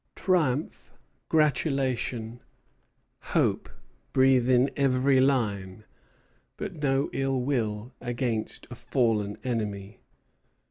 Triumph, gratulation, hope, breathe in every line, but no ill will against a fallen enemy.